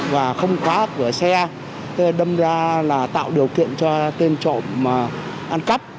và không khóa cửa xe đâm ra là tạo điều kiện cho tên trộm ăn cắp